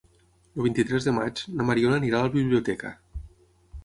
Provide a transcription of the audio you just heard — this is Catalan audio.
El vint-i-tres de maig na Mariona anirà a la biblioteca.